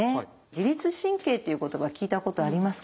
自律神経っていう言葉聞いたことありますか？